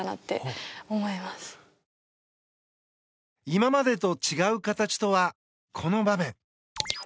今までと違う形とはこの場面。